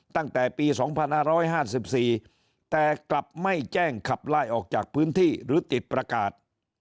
ตั้งแต่ปี๒๕๕๔แต่กลับไม่แจ้งขับไล่ออกจากพื้นที่หรือติดประกาศ